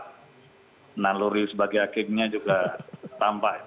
naluri sebagai hakimnya juga tampak